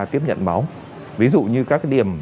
tiếp nhận máu ví dụ như các điểm